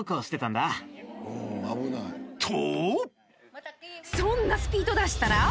と！